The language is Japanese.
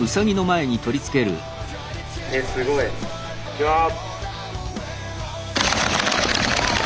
すごい。いきます！